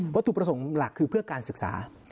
ถูกประสงค์หลักคือเพื่อการศึกษา